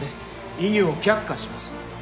異議を却下します。